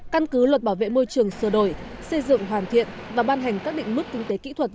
căn cứ luật bảo vệ môi trường sửa đổi xây dựng hoàn thiện và ban hành các định mức kinh tế kỹ thuật